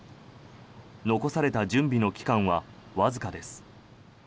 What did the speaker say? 残された準備の期間はわずかです。